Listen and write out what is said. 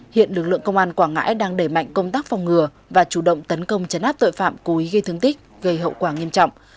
hiện lực lượng công an quảng ngãi đang đẩy mạnh công tác phòng ngừa và chủ động tấn công chấn áp tội phạm cố ý gây thương tích gây hậu quả nghiêm trọng